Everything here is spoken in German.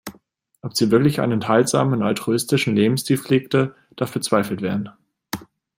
Ob sie wirklich einen enthaltsamen und altruistischen Lebensstil pflegte, darf bezweifelt werden.